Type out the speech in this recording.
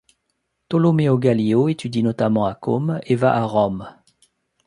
Tolomeo Gallio étudie notamment à Côme et va à Rome.